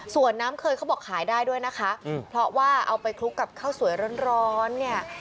ส่วนน้ำเคยเขาบอกขายได้ด้วยนะคะเพราะว่าเอาไปคลุกกับข้าวสวยร้อนเนี่ย